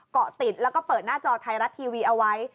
เกาะติดแล้วก็เปิดหน้าจอไทยรัฐทีวีเอาไว้